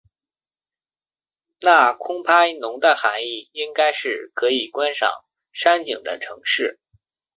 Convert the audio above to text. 那空拍侬的涵义应该是可以观赏山景的城市。